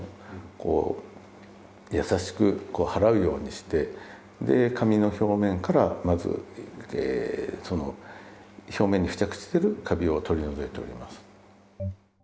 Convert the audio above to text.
こう優しく払うようにして紙の表面からまずその表面に付着してるカビを取り除いております。